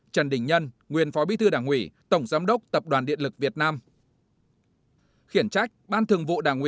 trần đình nhân nguyên phó bí thư đảng ủy tổng giám đốc tập đoàn điện lực việt nam